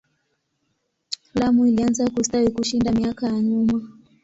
Lamu ilianza kustawi kushinda miaka ya nyuma.